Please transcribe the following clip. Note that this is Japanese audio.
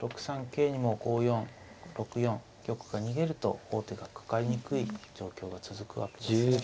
６三桂にも５四６四玉が逃げると王手がかかりにくい状況が続くわけですね。